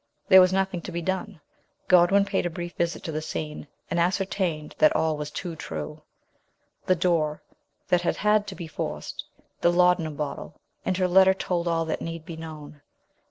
There was nothing to be done. Godwin paid a brief visit to the scene, and ascertained that all was too true. The door that had had to be forced, the lauda num bottle, and her letter told all that need be known.